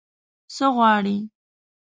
_څه غواړې؟